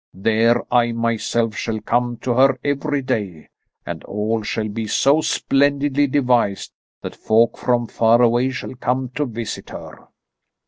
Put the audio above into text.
There I myself shall come to her every day, and all shall be so splendidly devised that folk from far away shall come to visit her.